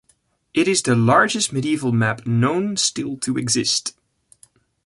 It is the largest medieval map known still to exist.